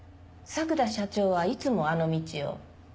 作田社長はいつもあの道を？